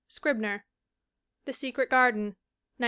Scribner. The Secret Garden, 1909.